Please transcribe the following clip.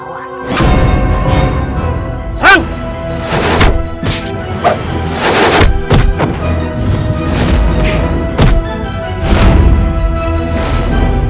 seribu pemuda seperti kalian juga tidak akan mampu melawanku